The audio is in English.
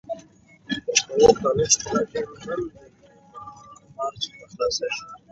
The university offers licentiate, master and doctoral degrees in various faculties.